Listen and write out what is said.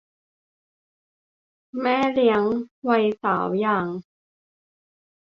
กับแม่เลี้ยงวัยสาวอย่าง